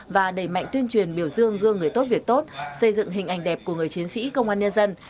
và đẩy mạnh tuyên truyền biểu dương gương người tốt việc tốt xây dựng hình ảnh đẹp của người chiến sĩ công an nhân dân